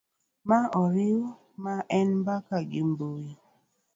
ma oriw ma en mbaka gi mbui